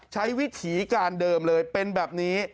ใช้วิธีการเดิมเลยเป็นแบบนี้